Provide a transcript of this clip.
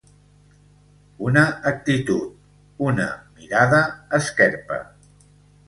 Una actitud, una mirada, esquerpa.